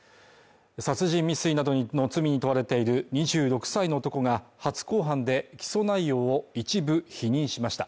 殺人未遂などの罪に問われている２６歳の男が初公判で起訴内容を一部否認しました。